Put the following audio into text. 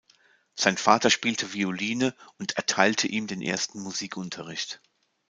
Sein Vater spielte Violine und erteilte ihm den ersten Musikunterricht.